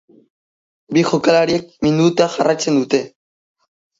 Bi jokalariek minduta jarraitzen dute.